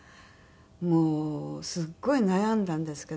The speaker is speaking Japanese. もうすごい悩んだんですけども。